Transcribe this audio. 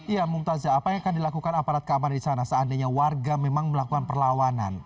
ya mumtazah apa yang akan dilakukan aparat keamanan di sana seandainya warga memang melakukan perlawanan